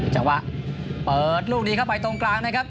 จังหวะเปิดลูกดีเข้าไปตรงกลางนะครับ